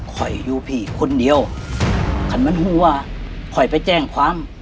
คอยอยู่พี่คนเดียวขันมันหัวค่อยไปแจ้งความ